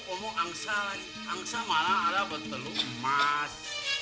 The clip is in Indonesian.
kau mau angsa angsa malah ada bertelur emas